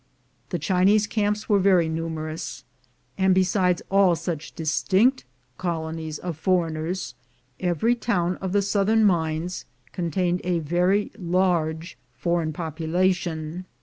The Chinese camps were very numerous; and besides all such distinct colonies of foreigners, every town of the southern mines contained a very large foreign popu lation.